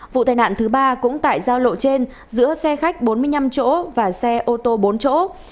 vụ tai nạn thứ ba cũng tại giao lộ trên giữa xe khách bốn mươi năm chỗ và xe ô tô bốn chỗ